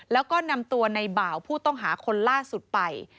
แล้วก็นำตัวในบ่าวผู้ต้องหาคนล่าสุดไป